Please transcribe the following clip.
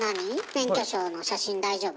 免許証の写真大丈夫？